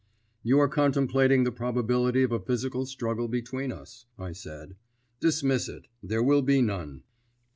"You are contemplating the probability of a physical struggle between us," I said. "Dismiss it; there will be none."